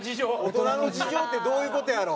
大人の事情ってどういう事やろ？